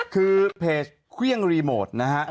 คือเพจเครื่องรีโมทนะฮะ